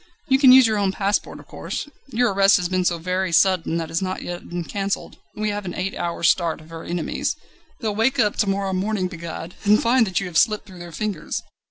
You can use your own passport, of course; your arrest has been so very sudden that it has not yet been cancelled, and we have an eight hours' start of our enemies. They'll wake up to morrow morning, begad! and find that you have slipped through their fingers."